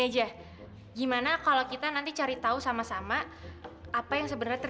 jadikannya rp tujuh ratus juta